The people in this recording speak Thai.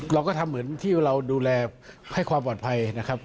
เราก็ทำเหมือนที่เราดูแลให้ความปลอดภัยนะครับ